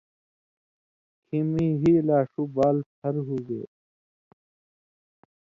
کھیں میں ”ہی لا ݜُو بال پھر“ ہُوگے